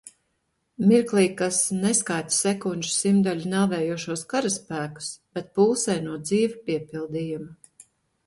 Mirklī, kas neskaita sekunžu simtdaļu nāvējošos karaspēkus, bet pulsē no dzīva piepildījuma.